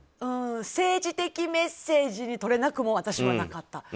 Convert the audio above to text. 政治的メッセージにとれなくも私はなかった。